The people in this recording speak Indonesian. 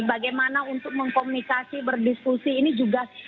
bagaimana untuk mengkomunikasi berdiskusi ini juga